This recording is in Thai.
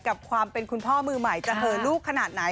กับความเป็นคุณพ่อมือใหม่จะเหอลูกขนาดไหน